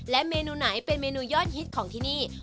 เมนูไหนเป็นเมนูยอดฮิตของที่นี่